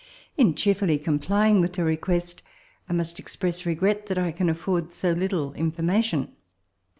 In cheerfully complying with your request, I must express regret that I can afford so little information.